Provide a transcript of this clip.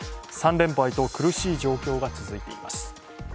３連敗と苦しい状況が続いています。